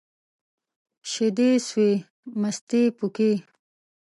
شيدو سوى ، مستې پوکي.